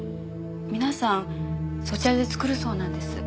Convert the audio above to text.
皆さんそちらで作るそうなんです。